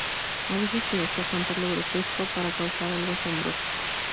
A veces tienes que afrontar lo grotesco para causar algo asombroso.